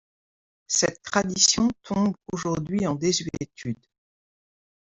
Cette tradition tombe aujourd'hui en désuétude.